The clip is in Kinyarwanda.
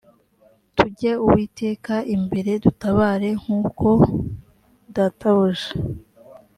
tujye uwiteka imbere dutabare nk uko databuja